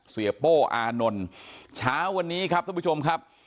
โป้อานนท์เช้าวันนี้ครับท่านผู้ชมครับ